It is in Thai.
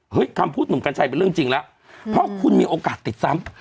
คำพูดหนุ่มกัญชัยเป็นเรื่องจริงแล้วเพราะคุณมีโอกาสติดซ้ำ